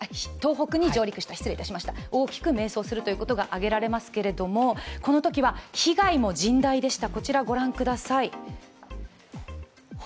大きく迷走することが挙げられますけれどもこのときは被害も甚大でした。